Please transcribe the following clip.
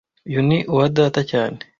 Uyu ni uwa data cyane